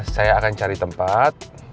saya akan cari tempat